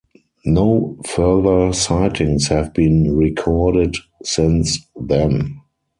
No further sightings have been recorded since then.